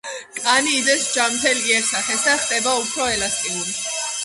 კანი იძენს ჯანმრთელ იერსახეს და ხდება უფრო ელასტიური.